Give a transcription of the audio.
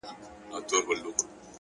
عاجزي د ستر شخصیت نښه ده!